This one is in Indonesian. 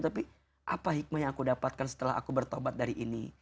tapi apa hikmah yang aku dapatkan setelah aku bertobat dari ini